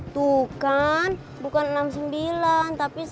tuh kan bukan enam puluh sembilan tapi sembilan puluh enam